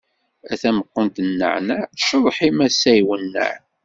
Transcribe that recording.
A tameqqunt n nneɛneɛ, ccḍeḥ-im ass-a iwenneɛ.